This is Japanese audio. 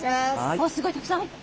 あすごいたくさん入った。